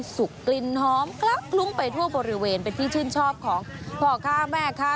กลิ่นหอมคลักคลุ้งไปทั่วบริเวณเป็นที่ชื่นชอบของพ่อค้าแม่ค้า